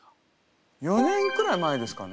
４年くらい前ですかね。